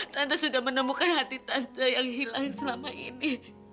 tanda sudah menemukan hati tante yang hilang selama ini